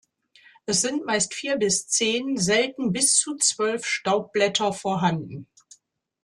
Es sind meist vier bis zehn, selten bis zu zwölf Staubblätter vorhanden.